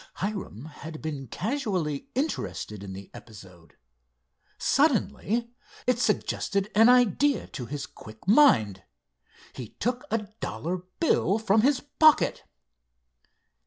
Hiram had been casually interested in the episode. Suddenly it suggested an idea to his quick mind. He took a dollar bill from his pocket.